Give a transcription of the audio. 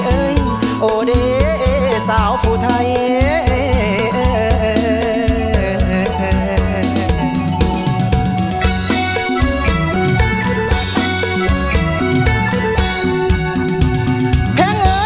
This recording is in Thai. เป็นใจอาจจะรู้ว่าน้ำจนความสุขของเทพฯเป็นงานของเทพฯ